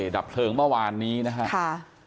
ดับเพลิงเมื่อวานนี้นะครับ